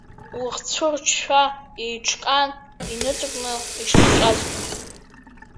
Лыхцәы рчшәа еиҿкаан, иныҵакны ишыхҵәазгьы.